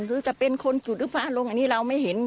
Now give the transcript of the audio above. หรือจะเป็นคนจุดหรือพาลงอันนี้เราไม่เห็น